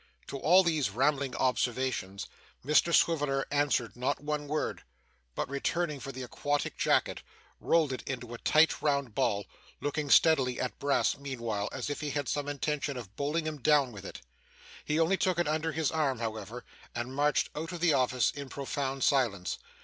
To all these rambling observations, Mr Swiveller answered not one word, but, returning for the aquatic jacket, rolled it into a tight round ball: looking steadily at Brass meanwhile as if he had some intention of bowling him down with it. He only took it under his arm, however, and marched out of the office in profound silence.